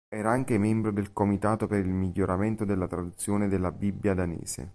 Era anche membro del comitato per il miglioramento della traduzione della Bibbia danese.